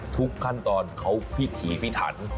ทุกขั้นตอนเขาพิถีพิถัน